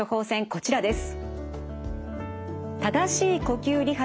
こちらです。